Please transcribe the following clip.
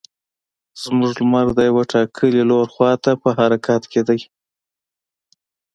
زموږ لمر د یو ټاکلي لور خوا ته په حرکت کې ده.